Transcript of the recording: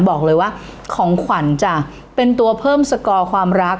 บอกเลยว่าของขวัญจะเป็นตัวเพิ่มสกอร์ความรัก